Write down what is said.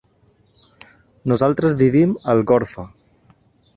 Nosaltres vivim a Algorfa.